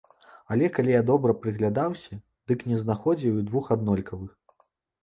Але калі я добра прыглядаўся, дык не знаходзіў і двух аднолькавых.